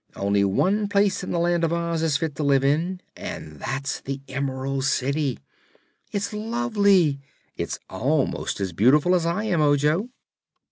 Only one place in the Land of Oz is fit to live in, and that's the Emerald City. It's lovely! It's almost as beautiful as I am, Ojo."